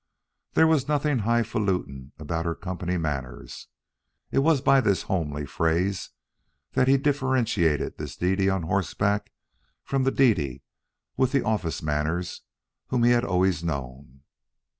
There was nothing highfalutin about her company manners it was by this homely phrase that he differentiated this Dede on horseback from the Dede with the office manners whom he had always known.